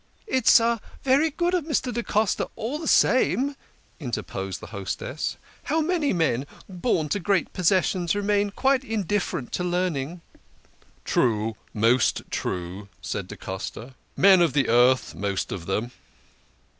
" It is very good of Mr. da Costa, all the same," inter posed the hostess. " How many men, born to great posses sions, remain quite indifferent to learning !"" True, most true," said da Costa. " Men of the Earth, most of them."